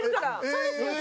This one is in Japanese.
そうですよね。